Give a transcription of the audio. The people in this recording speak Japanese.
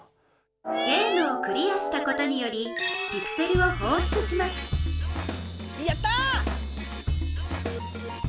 ゲームをクリアーしたことによりピクセルを放出しますやった！